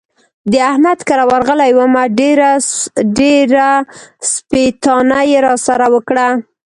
د احمد کره ورغلی وم؛ ډېره سپېتانه يې را سره وکړه.